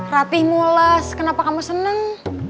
rati mules kenapa kamu seneng